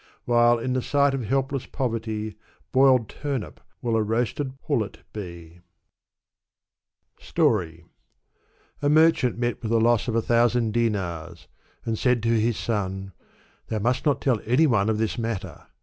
While, in the sight of helpless poverty. Boiled turnip will a roasted pullet be." w i Digitized by Google 2Q2 Sa'di. Story. A merchant met with the loss of a thousand dinarsi and said to his son, '' Thou must not tell any one of this matter."